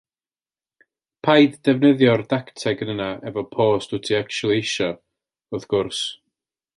Paid defnyddio'r dacteg yna efo post wyt ti actiwali eisiau, wrth gwrs.